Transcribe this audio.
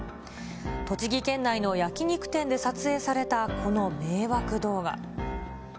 栃木県内の焼き肉店で撮影されたこの迷惑動画。